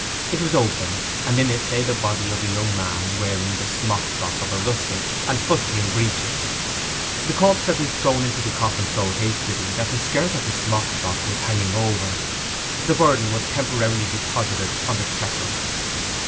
It was open, and in it lay the body of a young man, wearing the smockfrock of a rustic, and fustian breeches. The corpse had been thrown into the coffin so hastily that the skirt of the smockfrock was hanging over. The burden was temporarily deposited on the trestles.